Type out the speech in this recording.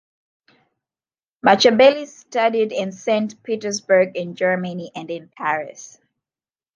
Machabeli studied in Saint Petersburg, in Germany, and in Paris.